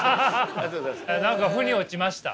何かふに落ちました？